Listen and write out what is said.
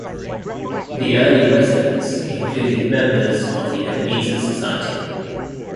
The early residents included members of the Ebenezer Society.